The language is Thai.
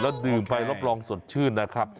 แล้วดื่มไปรับรองสดชื่นนะครับ